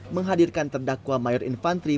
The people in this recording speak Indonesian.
menghadirkan terdakwa mayor infantri